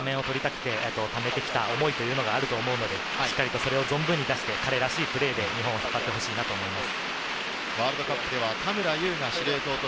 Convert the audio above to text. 今までずっと日本代表でスタメンを取りたくてためてきた思いがあると思うので、しっかりそれを存分に出して彼らしいプレーで日本を支えてほしいと思います。